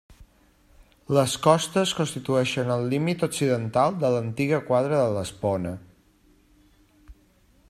Les Costes constitueixen el límit occidental de l'antiga quadra de l'Espona.